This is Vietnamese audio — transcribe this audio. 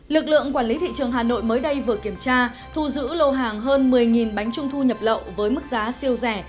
lực lượng quản lý thị trường hà nội mới đây vừa kiểm tra thu giữ lô hàng hơn một mươi bánh trung thu nhập lậu với mức giá siêu rẻ